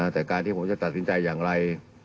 แต่การที่ผมจะตัดสินใจอย่างไร